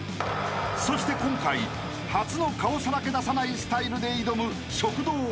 ［そして今回初の顔さらけ出さないスタイルで挑む］